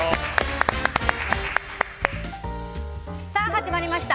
始まりました。